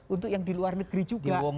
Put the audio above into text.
untuk yang di luar negeri juga